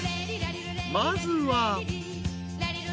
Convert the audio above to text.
［まずは］